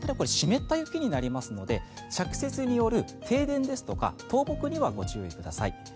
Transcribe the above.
湿った雪になりますので着雪による停電ですとか倒木にはご注意ください。